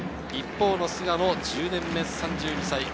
一方の菅野、１０年目３２歳。